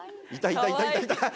いたいたいたいた。